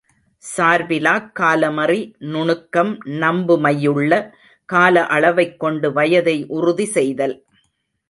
சார்பிலாக் காலமறி நுணுக்கம் நம்புமையுள்ள கால அளவைக் கொண்டு வயதை உறுதி செய்தல்.